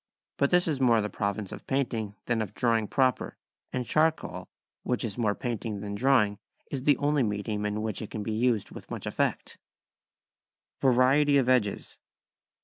But this is more the province of painting than of drawing proper, and charcoal, which is more painting than drawing, is the only medium in which it can be used with much effect. [Sidenote: Variety of Edges.